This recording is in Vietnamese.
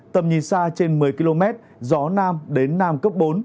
tầm nhìn xa trên một mươi km gió nam đến nam cấp bốn